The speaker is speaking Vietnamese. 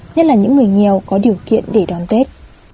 nhất là những người nghèo có điều kiện để đón tết